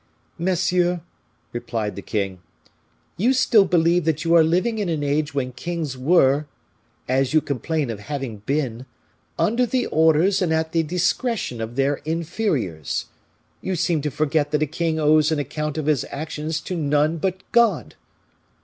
"Monsieur," replied the king, "you still believe that you are living in an age when kings were, as you complain of having been, under the orders and at the discretion of their inferiors. You seem to forget that a king owes an account of his actions to none but God."